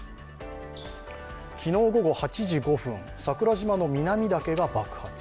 昨日午後８時５分、桜島の南岳が爆発。